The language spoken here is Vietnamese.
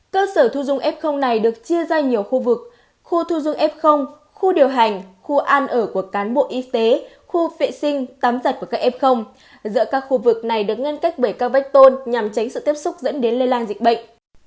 cơ sở thu dung f này được chia ra nhiều khu vực khu thu dung f khu điều hành khu ăn ở của cán bộ y tế khu vệ sinh tắm giặt của các f giữa các khu vực này được ngăn cách bởi các vết tôn nhằm tránh sự tiếp xúc dẫn đến lây lan dịch bệnh